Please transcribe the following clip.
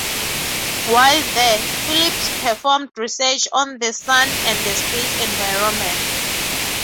While there, Phillips performed research on the sun and the space environment.